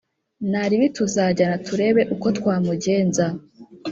Ntaribi tuzajyana turebe uko twamugenza